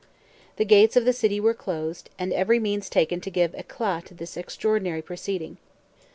The gates of the city were closed, and every means taken to give éclat to this extraordinary proceeding.